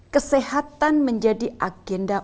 kesehatan menjadi agenda utama